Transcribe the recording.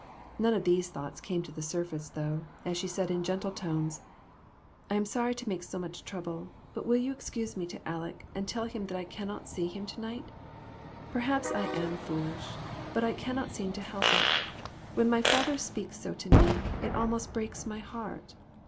None of these thoughts came to the surface, though, as she said in gentle tones " I am sorry to make you so much trouble, but will you excuse me to Aleck, and tell him that I cannot see him to night ? Perhaps I am foolish, but I cannot seem to help it. When my father speaks so to me, it almost breaks my heart."